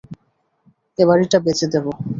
এ বাড়িটা বেচে দেব।